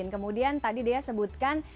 kemudian tadi dea sebutkan